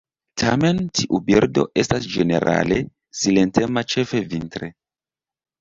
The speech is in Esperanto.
Tamen tiu birdo estas ĝenerale silentema ĉefe vintre.